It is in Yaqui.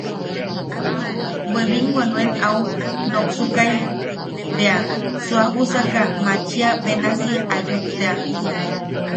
Bwe binwa nuen au noksukai, bea suabusaka machia benasi ayuk tea,.